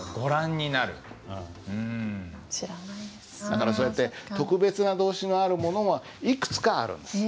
だからそうやって特別な動詞のあるものはいくつかあるんです。